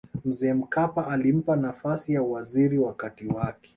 mzee mkapa alimpa nafasi ya uwaziri wakati wake